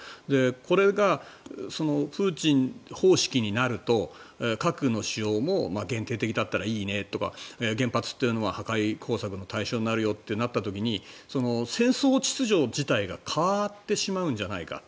これがプーチン方式になると核の使用も限定的だったらいいねとか原発というのは破壊工作の対象になるよとなったら戦争秩序自体が変わってしまうんじゃないか。